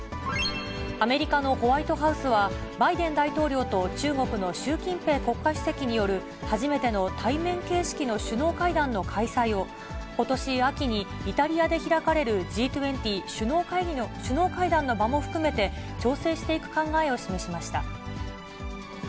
アメリカのホワイトハウスは、バイデン大統領と中国の習近平国家主席による初めての対面形式の首脳会談の開催を、ことし秋にイタリアで開かれるＧ２０首脳会談の場も含めて、調整していく考えを示しました。